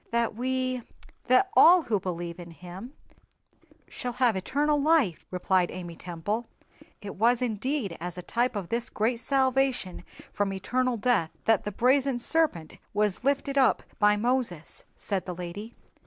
"That we—that all who believe in Him shall have eternal life," replied Amy Temple. "It was indeed as a type of this great salvation from eternal death that the brazen serpent was lifted up by Moses," said the lady.